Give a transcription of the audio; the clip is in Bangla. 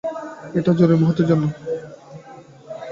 এটা জরুরি মুহুর্তের জন্য।